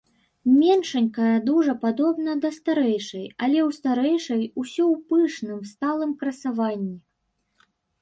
Меншанькая дужа падобна да старэйшай, але ў старэйшай усё ў пышным, сталым красаванні.